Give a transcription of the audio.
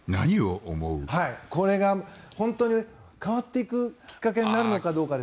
これが本当に変わっていくきっかけになるのかどうか。